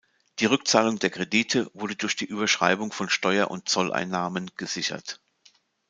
Die Rückzahlung der Kredite wurde durch die Überschreibung von Steuer- und Zolleinnahmen gesichert.